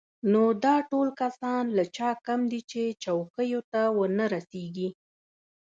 نو دا ټول کسان له چا کم دي چې چوکیو ته ونه رسېږي.